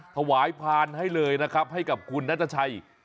ถวายพานให้เลยนะครับให้กับคุณนัทชัย